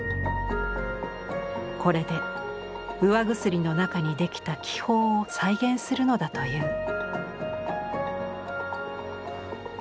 これで釉薬の中にできた気泡を再現するのだという。